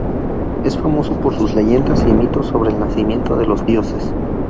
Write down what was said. Es famoso por sus leyendas y mitos sobre el nacimiento de los dioses.